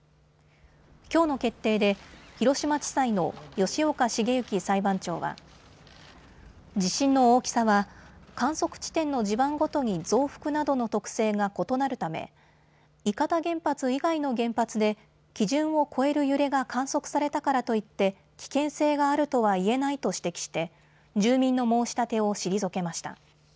きょうの決定で広島地裁の吉岡茂之裁判長は地震の大きさは観測地点の地盤ごとに増幅などの特性が異なるため伊方原発以外の原発で基準を超える揺れが観測されたからといって危険性があるとは言えないと指摘して住民の申し立てを退けました。